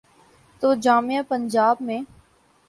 تو جامعہ پنجاب میں۔